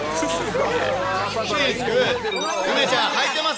梅ちゃん、はいてます？